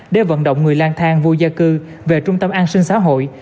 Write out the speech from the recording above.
để vận động người lang thang vô gia cư về trung tâm an sinh xã hội